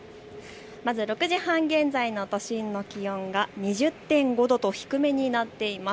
まず６時半現在の都心の気温が２０．５度と低めになっています。